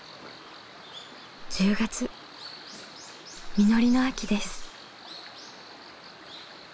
実りの秋です。